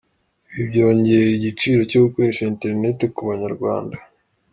Ibi byongera igiciro cyo gukoresha interineti ku Banyarwanda.